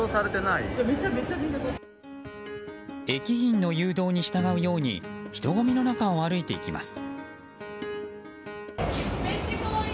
駅員の誘導に従うように人混みの中を歩いていきます。